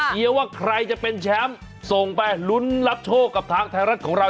เดี๋ยวว่าใครจะเป็นแชมป์ส่งไปลุ้นรับโชคกับทางไทยรัฐของเรา